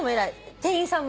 店員さんも。